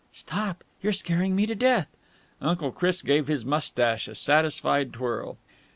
"Stop! You're scaring me to death!" Uncle Chris gave his moustache a satisfied twirl.